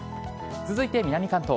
続いて南関東。